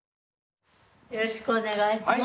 よろしくお願いします。